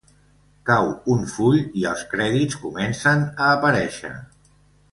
Cau un full i els crèdits comencen a aparèixer.